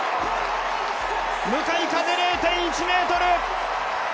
向かい風０．１メートル！